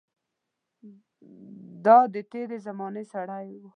دای د تېرې زمانې سړی و.